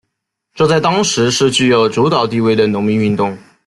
这在当时是具有主导地位的农民运动。